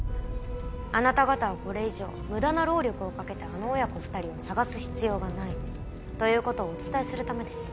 あなた方はこれ以上無駄な労力をかけてあの親子２人を捜す必要がない。ということをお伝えするためです。